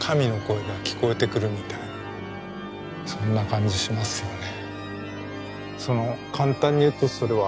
そんな感じしますよね。